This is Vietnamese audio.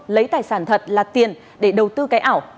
lấy tài sản thật là tiền để đầu tư cái ảo